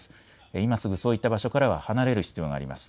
今すぐそういった場所からは離れる必要があります。